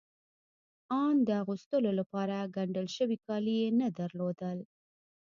آن د اغوستو لپاره ګنډل شوي کالي يې نه درلودل.